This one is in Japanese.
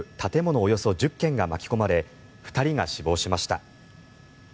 およそ１０軒が巻き込まれ２人が死亡しました。